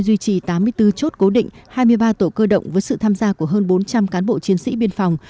duy trì tám mươi bốn chốt cố định hai mươi ba tổ cơ động với sự tham gia của hơn bốn trăm linh cán bộ chiến sĩ biên phòng